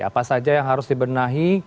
apa saja yang harus dibenahi